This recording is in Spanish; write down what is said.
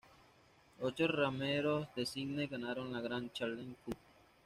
Los ocho remeros de Sídney ganaron la "Grand Challenge Cup".